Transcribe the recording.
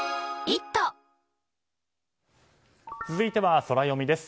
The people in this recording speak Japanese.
続いてはソラよみです。